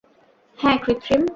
হ্যাঁ, কৃত্রিম।